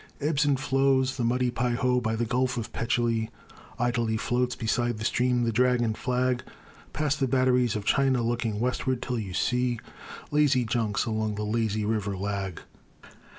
Ebbs and flows the muddy Pei Ho by the gulf of Pechili, Idly floats beside the stream the dragon flag; Past the batteries of China, looking westward still you see Lazy junks along the lazy river lag.